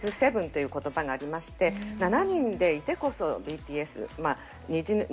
「ＢＴＳ７」という言葉がありまして７人でいてこそＢＴＳ。